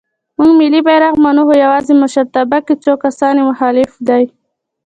مونږ ملی بیرغ منو خو یواځې مشرتابه کې څو کسان یې مخالف دی.